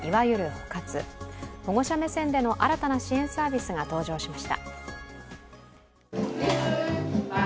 保護者目線での新たな支援サービスが登場しました。